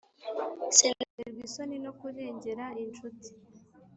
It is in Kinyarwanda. Sinaterwa isoni no kurengera incuti,